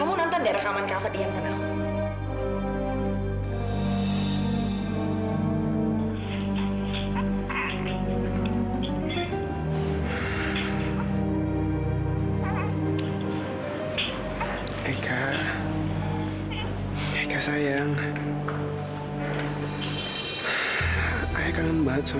kamu nonton dia rekaman kava diam sama aku